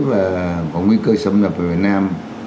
và có nguy cơ xâm lập ở việt nam